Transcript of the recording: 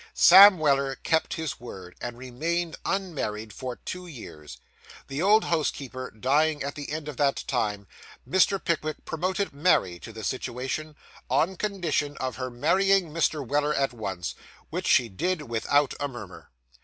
Sam Weller kept his word, and remained unmarried, for two years. The old housekeeper dying at the end of that time, Mr. Pickwick promoted Mary to the situation, on condition of her marrying Mr. Weller at once, which she did without a murmur.